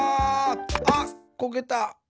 あっこけた。